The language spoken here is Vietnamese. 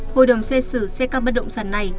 hội đồng xét xử xét các bất động sản này